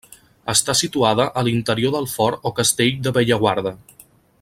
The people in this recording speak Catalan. Està situada a l'interior del Fort o Castell de Bellaguarda.